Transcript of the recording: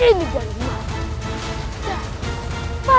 ini dari maha